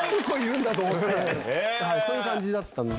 そういう感じだったので。